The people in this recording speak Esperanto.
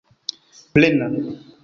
plena